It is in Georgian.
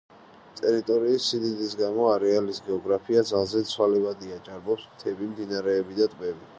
ტერიტორიის სიდიდის გამო, არეალის გეოგრაფია ძალზედ ცვალებადია, ჭარბობს მთები, მდინარეები და ტბები.